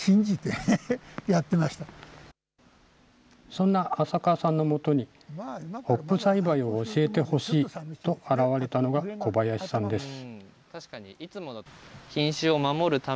そんな浅川さんの元に、ホップ栽培を教えてほしいと現れたのが小林さんです。